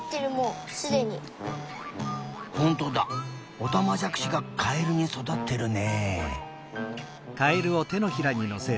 オタマジャクシがカエルにそだってるね。